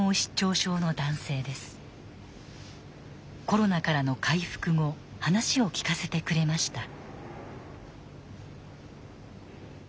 コロナからの回復後話を聞かせてくれました。